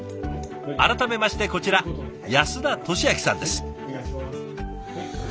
改めましてこちら安田敏明さんです。